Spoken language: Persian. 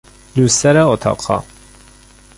لوستر اتاق خواب